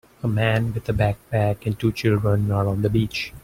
A man with a backpack and two children are on the beach.